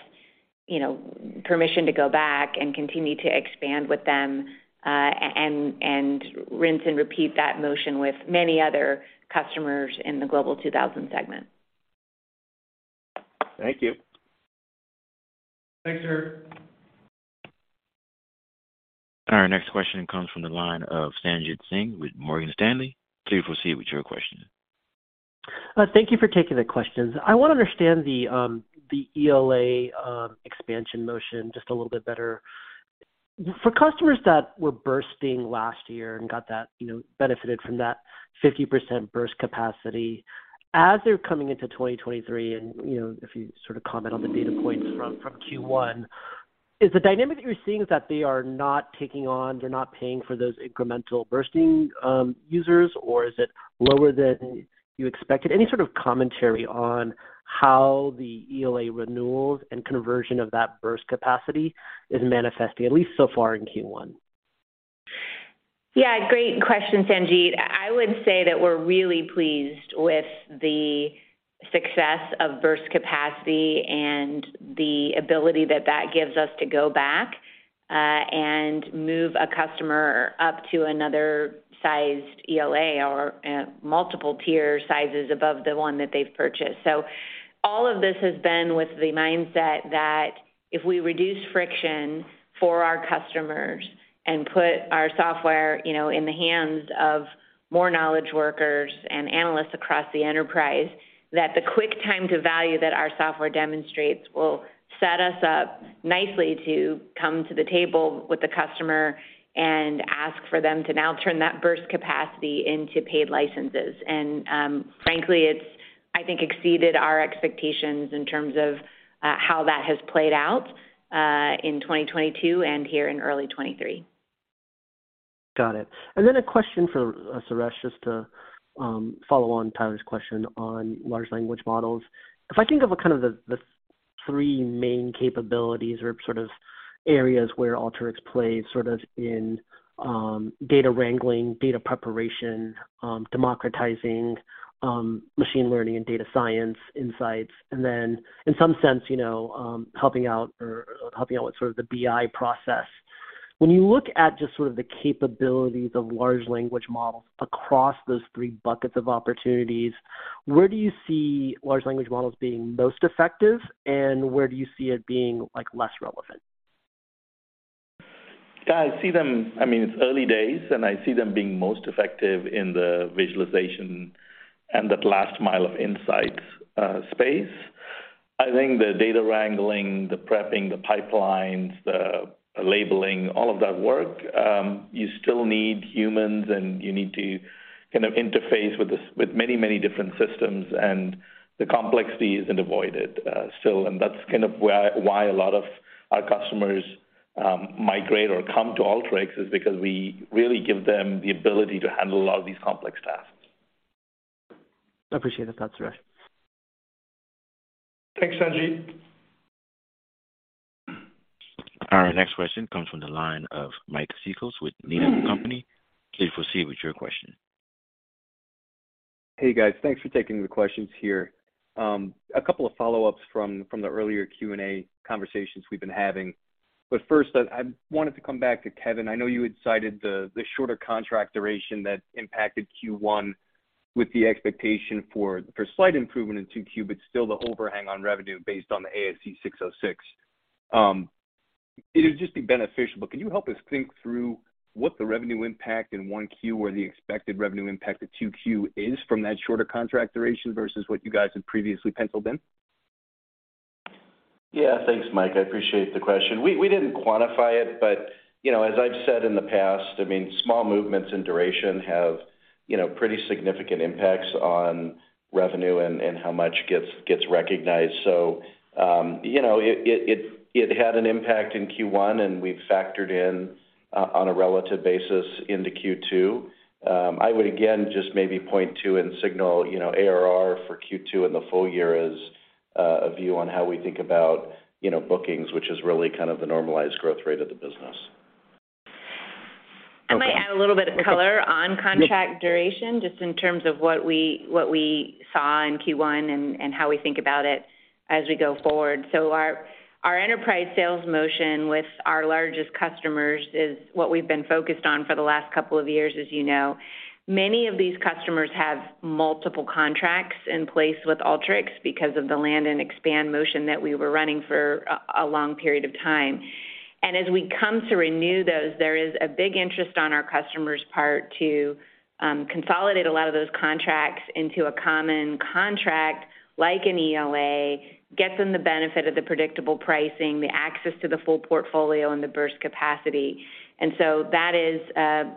you know, permission to go back and continue to expand with them and rinse and repeat that motion with many other customers in the Global 2000 segment. Thank you. Thanks, sir. Our next question comes from the line of Sanjit Singh with Morgan Stanley. Please proceed with your question. Thank you for taking the questions. I wanna understand the ELA expansion motion just a little bit better. For customers that were bursting last year and got that, you know, benefited from that 50% burst capacity, as they're coming into 2023, and, you know, if you sort of comment on the data points from Q1, is the dynamic that you're seeing is that they are not taking on, they're not paying for those incremental bursting users, or is it lower than you expected? Any sort of commentary on how the ELA renewals and conversion of that burst capacity is manifesting, at least so far in Q1? Yeah, great question, Sanjit. I would say that we're really pleased with the success of burst capacity and the ability that that gives us to go back, and move a customer up to another sized ELA or, multiple tier sizes above the one that they've purchased. All of this has been with the mindset that if we reduce friction for our customers and put our software, you know, in the hands of more knowledge workers and analysts across the enterprise, that the quick time to value that our software demonstrates will set us up nicely to come to the table with the customer and ask for them to now turn that burst capacity into paid licenses. Frankly, it's I think exceeded our expectations in terms of, how that has played out, in 2022 and here in early 2023. Got it. Then a question for Suresh, just to follow on Tyler's question on large language models. If I think of a kind of the three main capabilities or sort of areas where Alteryx plays, sort of in data wrangling, data preparation, democratizing machine learning and data science insights, and then in some sense, you know, helping out with sort of the BI process. When you look at just sort of the capabilities of large language models across those three buckets of opportunities, where do you see large language models being most effective, and where do you see it being, like, less relevant? I see them... I mean, it's early days, and I see them being most effective in the visualization and that last mile of insights space. I think the data wrangling, the prepping, the pipelines, the labeling, all of that work, you still need humans, and you need to kind of interface with many different systems, and the complexity isn't avoided. That's kind of why a lot of our customers migrate or come to Alteryx is because we really give them the ability to handle a lot of these complex tasks. Appreciate it. Thanks, Suresh. Thanks, Sanjit. Our next question comes from the line of Mike Cikos with Needham & Company. Please proceed with your question. Hey, guys. Thanks for taking the questions here. A couple of follow-ups from the earlier Q&A conversations we've been having. First, I wanted to come back to Kevin. I know you had cited the shorter contract duration that impacted Q1 with the expectation for slight improvement in Q2, but still the overhang on revenue based on the ASC 606. It would just be beneficial, but can you help us think through what the revenue impact in 1Q or the expected revenue impact at Q2 is from that shorter contract duration versus what you guys had previously penciled in? Yeah. Thanks, Mike. I appreciate the question. We didn't quantify it, you know, as I've said in the past, I mean, small movements in duration have, you know, pretty significant impacts on revenue and how much gets recognized. You know, it had an impact in Q1, and we've factored in on a relative basis into Q2. I would again just maybe point to and signal, you know, ARR for Q2 and the full year as a view on how we think about, you know, bookings, which is really kind of the normalized growth rate of the business. Okay. I might add a little bit of color on contract duration just in terms of what we saw in Q1 and how we think about it as we go forward. Our enterprise sales motion with our largest customers is what we've been focused on for the last couple of years, as you know. Many of these customers have multiple contracts in place with Alteryx because of the land and expand motion that we were running for a long period of time. As we come to renew those, there is a big interest on our customers' part to consolidate a lot of those contracts into a common contract, like an ELA, get them the benefit of the predictable pricing, the access to the full portfolio and the burst capacity. That is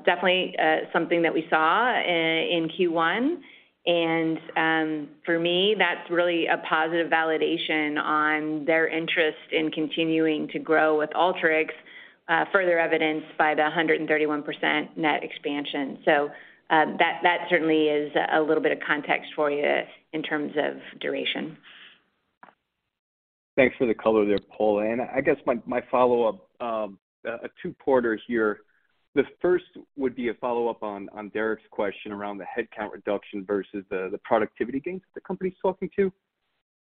definitely something that we saw in Q1. For me, that's really a positive validation on their interest in continuing to grow with Alteryx, further evidenced by the 131% net expansion. That certainly is a little bit of context for you in terms of duration. Thanks for the color there, Paula. I guess my follow-up, two-parter here. The first would be a follow-up on Derrick's question around the headcount reduction versus the productivity gains the company's talking to.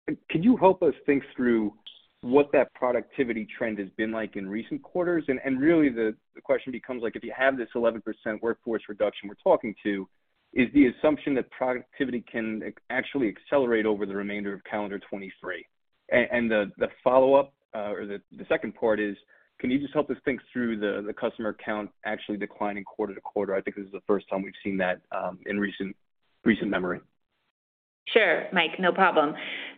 Could you help us think through what that productivity trend has been like in recent quarters? Really the question becomes like, if you have this 11% workforce reduction we're talking to, is the assumption that productivity can actually accelerate over the remainder of calendar 2023? The follow-up, or the second part is, can you just help us think through the customer count actually declining quarter-to-quarter? I think this is the first time we've seen that in recent memory. Sure, Mike. No problem.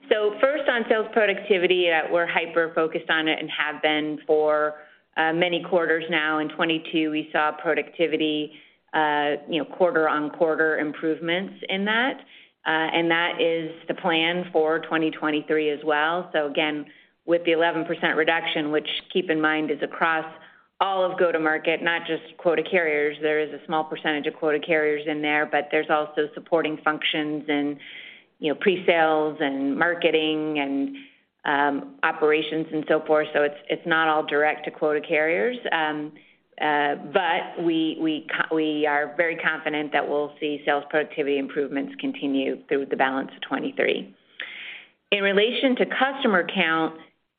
First on sales productivity, we're hyper-focused on it and have been for many quarters now. In 2022, we saw productivity, you know, quarter-on-quarter improvements in that, and that is the plan for 2023 as well. Again, with the 11% reduction, which keep in mind is across all of go-to-market, not just quota carriers. There is a small percentage of quota carriers in there, but there's also supporting functions and, you know, pre-sales and marketing and operations and so forth. It's not all direct to quota carriers. We are very confident that we'll see sales productivity improvements continue through the balance of 2023. In relation to customer count.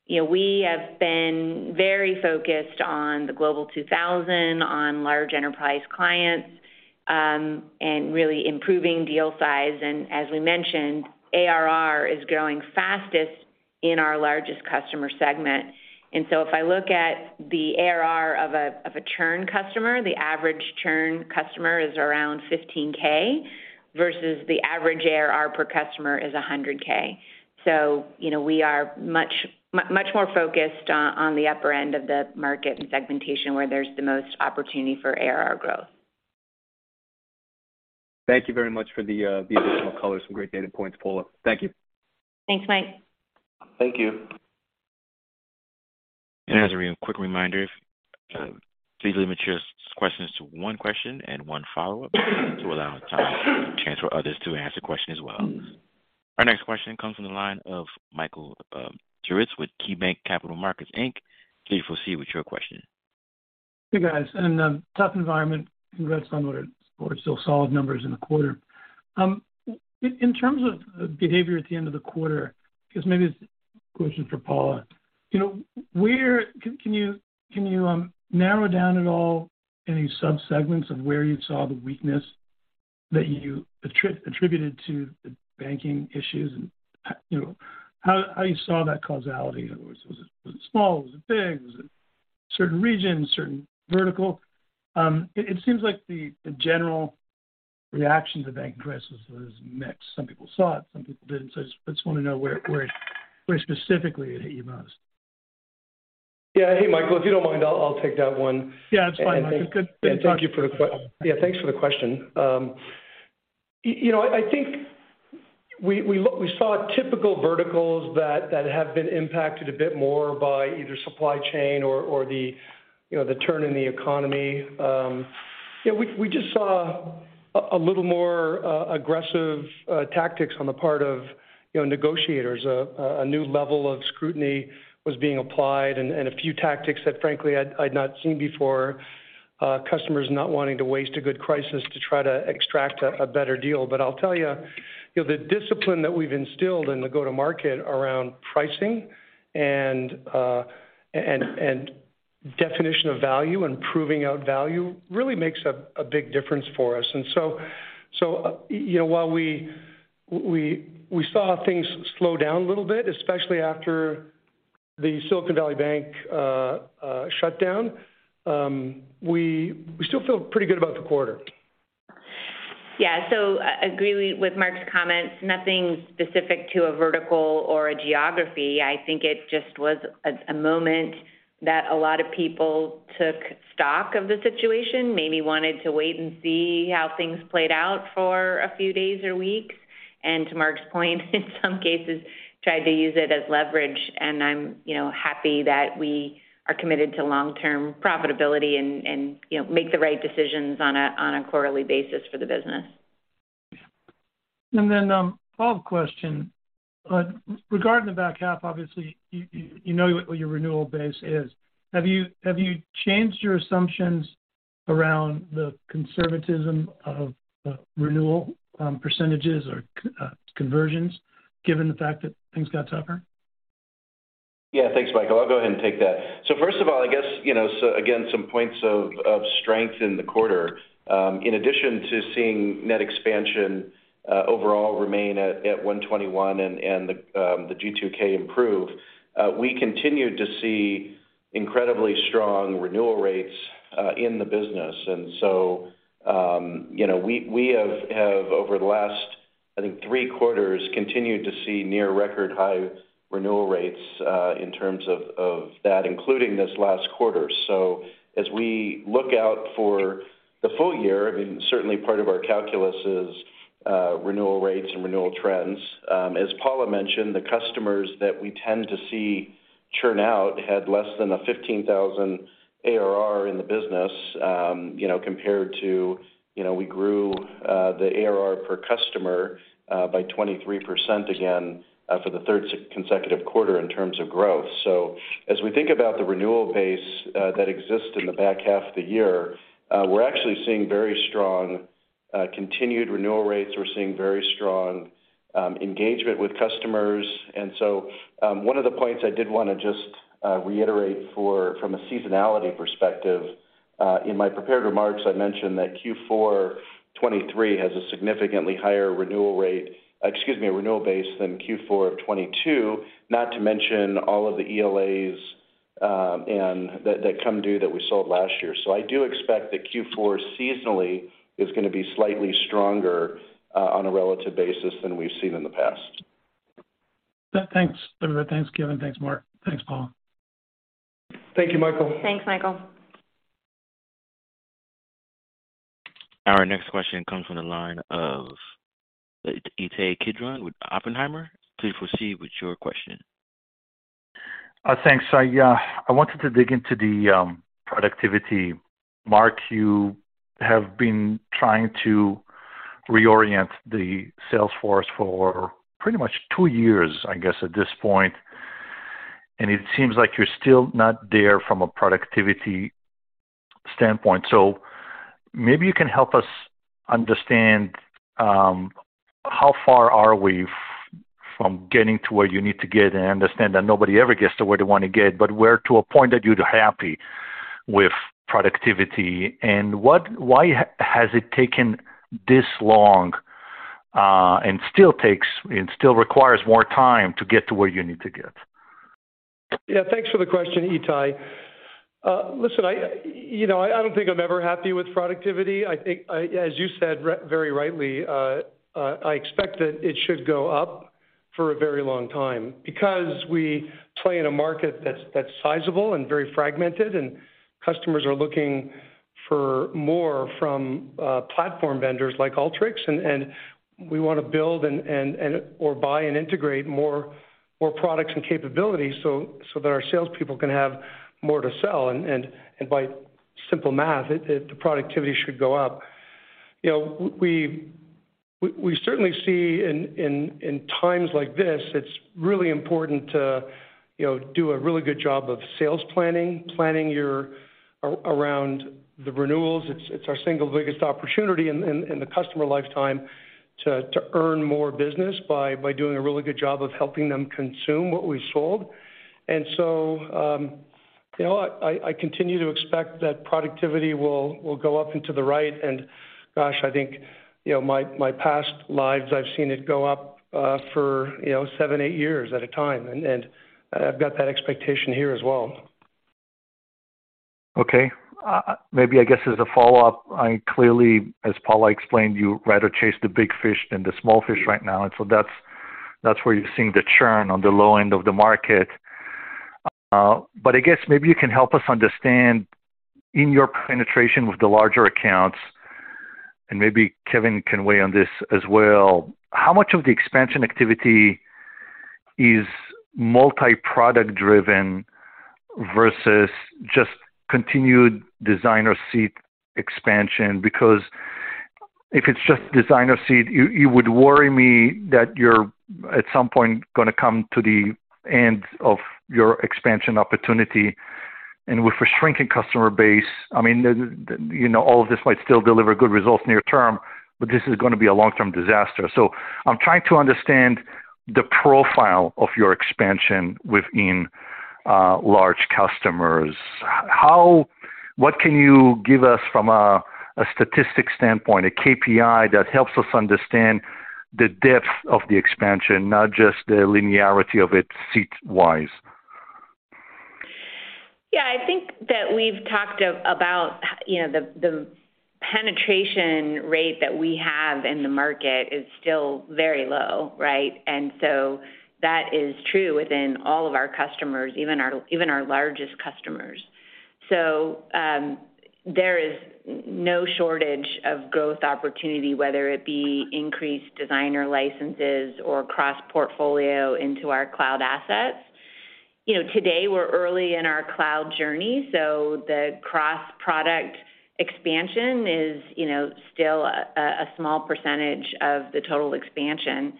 You know, we have been very focused on the Global 2000, on large enterprise clients, and really improving deal size. As we mentioned, ARR is growing fastest in our largest customer segment. If I look at the ARR of a churn customer, the average churn customer is around 15K versus the average ARR per customer is 100K. You know, we are much, much more focused on the upper end of the market and segmentation where there's the most opportunity for ARR growth. Thank you very much for the additional color. Some great data points, Paula. Thank you. Thanks, Mike. Thank you. As a quick reminder, please limit your questions to one question and one follow-up to allow time and a chance for others to ask a question as well. Our next question comes from the line of Michael Turits with KeyBanc Capital Markets Inc. Please proceed with your question. Hey, guys. In a tough environment, congrats on what are still solid numbers in the quarter. In terms of behavior at the end of the quarter, because maybe it's a question for Paula. You know, can you narrow down at all any sub-segments of where you saw the weakness that you attributed to the banking issues and, you know, how you saw that causality? In other words, was it small? Was it big? Was it certain regions, certain vertical? It seems like the general reaction to bank crisis was mixed. Some people saw it, some people didn't. I just want to know where specifically it hit you most. Yeah. Hey, Michael, if you don't mind, I'll take that one. Yeah, that's fine, Mark. Good, good talking to you. Thank you for the question. You know, I think we saw typical verticals that have been impacted a bit more by either supply chain or the, you know, the turn in the economy. Yeah, we just saw a little more aggressive tactics on the part of, you know, negotiators. A new level of scrutiny was being applied and a few tactics that frankly I'd not seen before. Customers not wanting to waste a good crisis to try to extract a better deal. I'll tell you know, the discipline that we've instilled in the go-to-market around pricing and definition of value and proving out value really makes a big difference for us. You know, while we saw things slow down a little bit, especially after the Silicon Valley Bank shutdown, we still feel pretty good about the quarter. Agree with Mark's comments. Nothing specific to a vertical or a geography. I think it just was a moment that a lot of people took stock of the situation, maybe wanted to wait and see how things played out for a few days or weeks. To Mark's point, in some cases tried to use it as leverage. I'm, you know, happy that we are committed to long-term profitability and, you know, make the right decisions on a quarterly basis for the business. Follow-up question. Regarding the back half, obviously you know what your renewal base is. Have you changed your assumptions around the conservatism of renewal percentages or conversions given the fact that things got tougher? Thanks, Michael. I'll go ahead and take that. First of all, I guess, you know, again, some points of strength in the quarter. In addition to seeing net expansion, overall remain at 121 and the G2K improve, we continued to see incredibly strong renewal rates in the business. You know, we have over the last, I think 3 quarters continued to see near record high renewal rates in terms of that, including this last quarter. As we look out for the full year, I mean, certainly part of our calculus is renewal rates and renewal trends. As Paula mentioned, the customers that we tend to see churn out had less than a $15,000 ARR in the business, you know, compared to, you know, we grew the ARR per customer by 23% again for the third consecutive quarter in terms of growth. As we think about the renewal base that exists in the back half of the year, we're actually seeing very strong continued renewal rates. We're seeing very strong engagement with customers. One of the points I did wanna just reiterate from a seasonality perspective, in my prepared remarks, I mentioned that Q4 2023 has a significantly higher renewal base than Q4 of 2022, not to mention all of the ELAs and that come due that we sold last year. I do expect that Q4 seasonally is gonna be slightly stronger on a relative basis than we've seen in the past. Thanks. Thanks, Kevin. Thanks, Mark. Thanks, Paula. Thank you, Michael. Thanks, Michael. Our next question comes from the line of Ittai Kidron with Oppenheimer. Please proceed with your question. Thanks. Yeah, I wanted to dig into the productivity. Mark, you have been trying to reorient the sales force for pretty much two years, I guess, at this point. It seems like you're still not there from a productivity-standpoint. Maybe you can help us understand how far are we from getting to where you need to get, and I understand that nobody ever gets to where they wanna get, but where to a point that you're happy with productivity, and why has it taken this long, and still takes and still requires more time to get to where you need to get? Yeah, thanks for the question, Ittai. Listen, I, you know, I don't think I'm ever happy with productivity. I think, I, as you said very rightly, I expect that it should go up for a very long time because we play in a market that's sizable and very fragmented, and customers are looking for more from platform vendors like Alteryx. We wanna build and or buy and integrate more products and capabilities so that our salespeople can have more to sell. By simple math, it the productivity should go up. You know, we certainly see in times like this, it's really important to, you know, do a really good job of sales planning your around the renewals. It's our single biggest opportunity in the customer lifetime to earn more business by doing a really good job of helping them consume what we've sold. You know, I continue to expect that productivity will go up into the right. Gosh, I think, you know, my past lives, I've seen it go up for, you know, seven, eight years at a time. I've got that expectation here as well. Okay. Maybe I guess as a follow-up, I clearly, as Paula explained, you'd rather chase the big fish than the small fish right now, that's where you're seeing the churn on the low end of the market. I guess maybe you can help us understand in your penetration with the larger accounts, and maybe Kevin can weigh on this as well, how much of the expansion activity is multi-product driven versus just continued Designer seat expansion? Because if it's just Designer seat, you would worry me that you're at some point gonna come to the end of your expansion opportunity. With a shrinking customer base, I mean, the you know, all of this might still deliver good results near term, but this is gonna be a long-term disaster. I'm trying to understand the profile of your expansion within large customers. What can you give us from a statistic standpoint, a KPI that helps us understand the depth of the expansion, not just the linearity of it seat-wise? Yeah. I think that we've talked you know, the penetration rate that we have in the market is still very low, right? That is true within all of our customers, even our largest customers. There is no shortage of growth opportunity, whether it be increased designer licenses or cross-portfolio into our cloud assets. You know, today, we're early in our cloud journey, so the cross-product expansion is, you know, still a small percentage of the total expansion.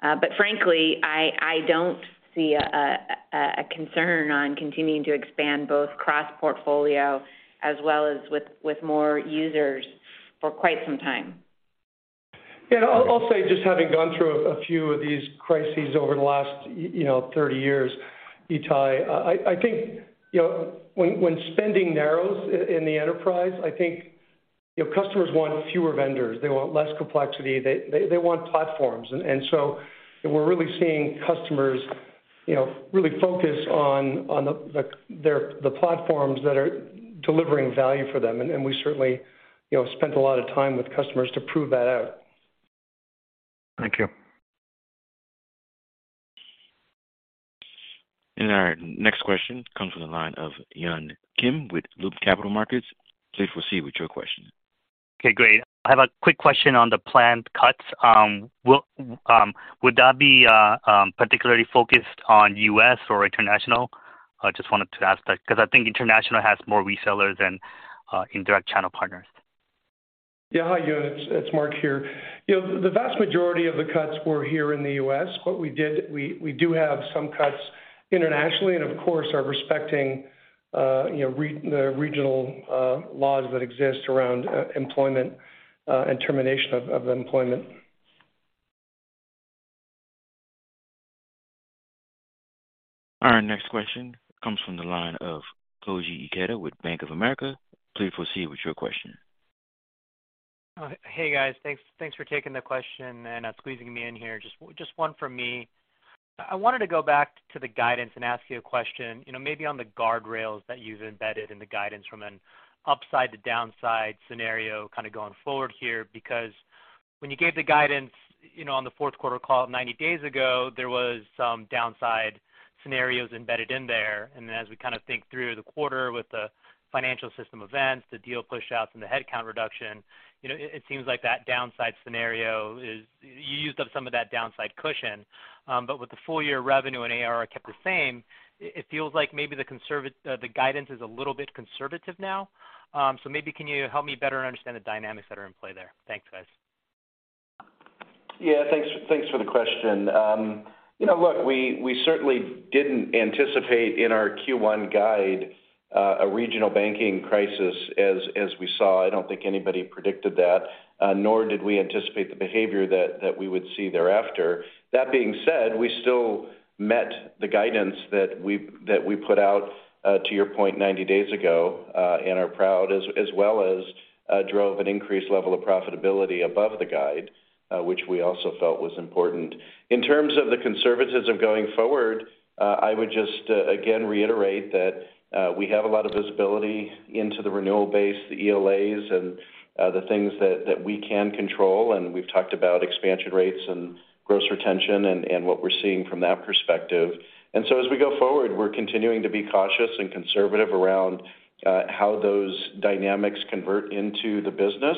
But frankly, I don't see a concern on continuing to expand both cross-portfolio as well as with more users for quite some time. I'll say just having gone through a few of these crises over the last, you know, 30 years, Ittai, I think, you know, when spending narrows in the enterprise, I think, you know, customers want fewer vendors. They want less complexity. They want platforms. So we're really seeing customers, you know, really focus on the platforms that are delivering value for them. We certainly, you know, spent a lot of time with customers to prove that out. Thank you. Our next question comes from the line of Yun Kim with Loop Capital Markets. Please proceed with your question. Okay, great. I have a quick question on the planned cuts. Will that be particularly focused on U.S. or international? I just wanted to ask that because I think international has more resellers than indirect channel partners. Hi, Yun. It's Mark here. You know, the vast majority of the cuts were here in the U.S., we do have some cuts internationally and, of course, are respecting, you know, the regional laws that exist around employment and termination of employment. Our next question comes from the line of Koji Ikeda with Bank of America. Please proceed with your question. Hey, guys. Thanks, thanks for taking the question and squeezing me in here. Just one from me. I wanted to go back to the guidance and ask you a question, you know, maybe on the guardrails that you've embedded in the guidance from an upside to downside scenario kind of going forward here. When you gave the guidance, you know, on the fourth quarter call 90 days ago, there was some downside scenarios embedded in there. As we kind of think through the quarter with the financial system events, the deal pushouts and the headcount reduction, you know, it seems like that downside scenario is you used up some of that downside cushion. But with the full year revenue and ARR kept the same, it feels like maybe the guidance is a little bit conservative now. Maybe can you help me better understand the dynamics that are in play there? Thanks, guys. Thanks for the question. You know, look, we certainly didn't anticipate in our Q1 guide a regional banking crisis as we saw. I don't think anybody predicted that, nor did we anticipate the behavior that we would see thereafter. That being said, we still met the guidance that we put out to your point 90 days ago, and are proud as well as drove an increased level of profitability above the guide, which we also felt was important. In terms of the conservatism going forward, I would just again reiterate that we have a lot of visibility into the renewal base, the ELAs and the things that we can control, and we've talked about expansion rates and gross retention and what we're seeing from that perspective. As we go forward, we're continuing to be cautious and conservative around how those dynamics convert into the business.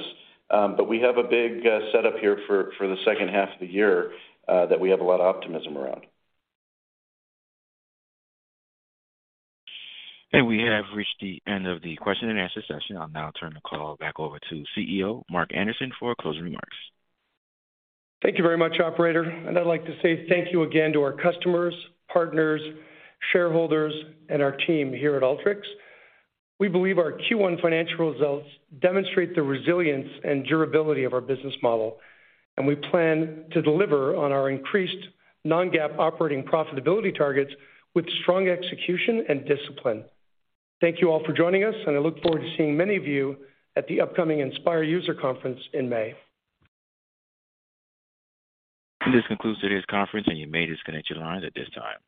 We have a big setup here for the second half of the year that we have a lot of optimism around. We have reached the end of the question and answer session. I'll now turn the call back over to CEO, Mark Anderson, for closing remarks. Thank you very much, operator. I'd like to say thank you again to our customers, partners, shareholders, and our team here at Alteryx. We believe our Q1 financial results demonstrate the resilience and durability of our business model, and we plan to deliver on our increased non-GAAP operating profitability targets with strong execution and discipline. Thank you all for joining us, and I look forward to seeing many of you at the upcoming Inspire User Conference in May. This concludes today's conference, and you may disconnect your lines at this time.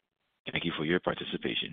Thank you for your participation.